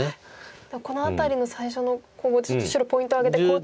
この辺りの最初のちょっと白ポイントを挙げて好調な。